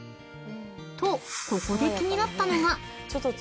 ［とここで気になったのが］